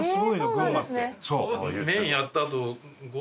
群馬って。